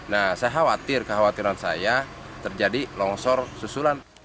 nah saya khawatir kekhawatiran saya terjadi longsor susulan